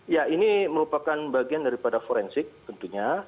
ya ini merupakan bagian daripada forensik tentunya